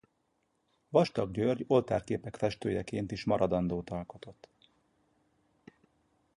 Vastagh György oltárképek festőjeként is maradandót alkotott.